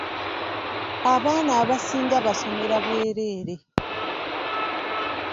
Abaana abasinga basomera bwereere.